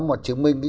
một chứng minh